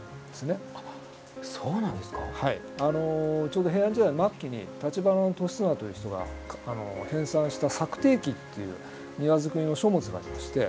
ちょうど平安時代の末期に橘俊綱という人が編さんした「作庭記」っていう庭作りの書物がありまして